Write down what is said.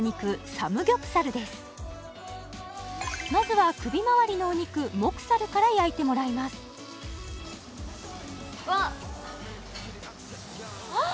サムギョプサルですまずは首まわりのお肉モクサルから焼いてもらいますわっああ！